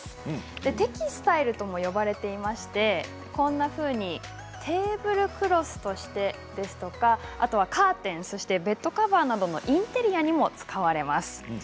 テキスタイルとも呼ばれていましてこんなふうにテーブルクロスとしてですとかカーテン、ベッドカバーなどのインテリアにも使われます。